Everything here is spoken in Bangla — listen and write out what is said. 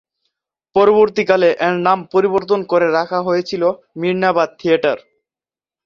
পরবর্তীকালে এর নাম পরিবর্তন করে রাখা হয়েছিল মিনার্ভা থিয়েটার।